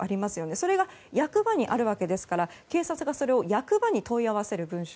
それが役場にあるわけですから警察がそれを役場に問い合わせる文書。